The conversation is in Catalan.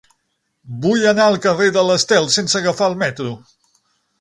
Vull anar al carrer de l'Estel sense agafar el metro.